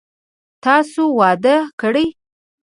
تاسو واده کړئ ؟